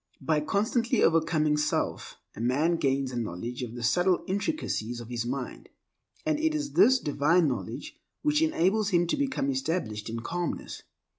By constantly overcoming self, a man gains a knowledge of the subtle intricacies of his mind; and it is this divine knowledge which enables him to become established in calmness.